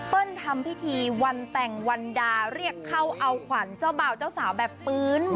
ทำพิธีวันแต่งวันดาเรียกเข้าเอาขวัญเจ้าบ่าวเจ้าสาวแบบปื้น